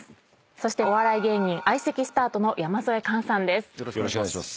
そしてお笑い芸人相席スタートの山添寛さんです。